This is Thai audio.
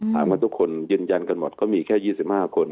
ถามว่าทุกคนยืนยันกันหมดก็มีแค่๒๕คน